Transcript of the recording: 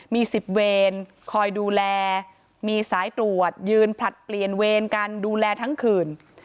มี๑๐เวรคอยดูแลมีสายตรวจยืนผลัดเปลี่ยนเวรกันดูแลทั้งคืน